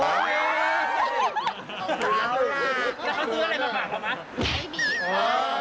ไอดีดีอีกมาก